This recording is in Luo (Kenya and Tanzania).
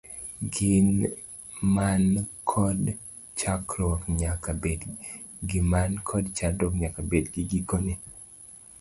Gin man kod chakruok nyaka bed gi gikone.